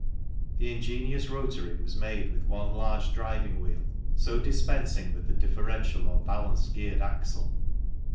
The ingenious Rotary was made with one large driving wheel, so dispensing with the differential or balance geared axle.